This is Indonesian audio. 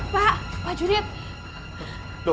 pak pak junid